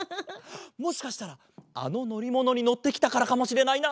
もしかしたらあののりものにのってきたからかもしれないな。